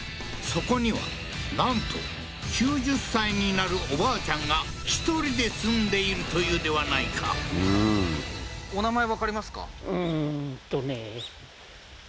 そこにはなんと９０歳になるおばあちゃんが１人で住んでいるというではないかお名前わかりますか？